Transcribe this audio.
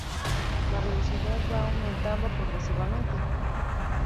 La velocidad va aumentando progresivamente.